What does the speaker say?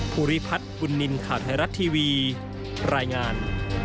ภูริพัฒน์บุญนินทร์ข่าวไทยรัฐทีวีรายงาน